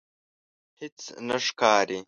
هیڅ نه ښکاري